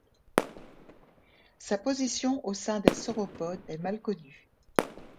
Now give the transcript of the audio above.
Sa position au sein des sauropodes est mal connue.